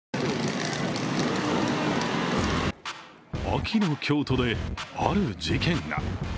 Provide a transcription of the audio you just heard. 秋の京都で、ある事件が。